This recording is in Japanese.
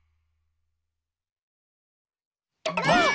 ばあっ！